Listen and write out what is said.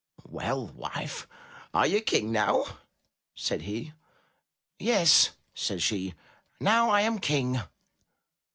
"Well, wife, are you King now?" said he. "Yes," said she, "now I am King."